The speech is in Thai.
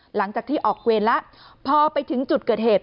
หลังจากที่ออกเวรแล้วพอไปถึงจุดเกิดเหตุ